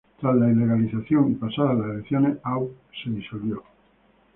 Tras la ilegalización y pasadas las elecciones AuB se disolvió.